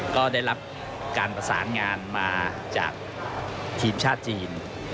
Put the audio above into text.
ก็ได้รับการประสานงานมาจากทีมชาติจีน